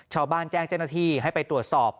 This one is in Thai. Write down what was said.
ชาวบ้านแจ้งเจ้าหน้าที่ให้ไปตรวจสอบ